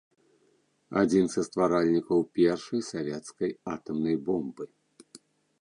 Адзін са стваральнікаў першай савецкай атамнай бомбы.